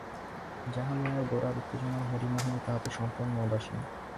যাহা লইয়া গোরার উত্তেজনা হরিমোহিনী তাহাতে সম্পূর্ণ উদাসীন।